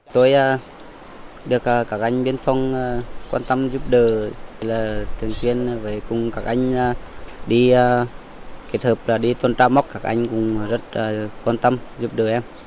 thường xuyên với các anh đi kết hợp đi tuân tra mốc các anh cũng rất quan tâm giúp đỡ em